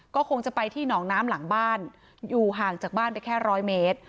ก็คงจะไปที่หนองน้ำหลังบ้านอยู่ห่างจากบ้านไปแค่ร้อยเมตร